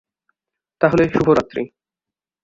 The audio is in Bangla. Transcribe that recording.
তাহলে, শুভরাত্রি।